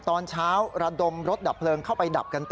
ตอนเช้าระดมรถดับเพลิงเข้าไปดับกันต่อ